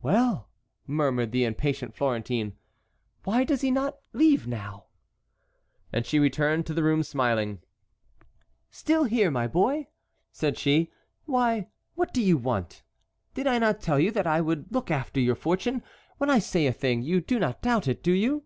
"Well!" murmured the impatient Florentine; "why does he not leave now?" And she returned to the room smiling. "Still here, my boy?" said she; "why, what do you want? Did I not tell you that I would look after your fortune? When I say a thing you do not doubt it, do you?"